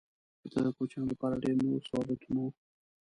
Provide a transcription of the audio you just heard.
دلته د کوچیانو لپاره ډېر نور سهولتونه وو.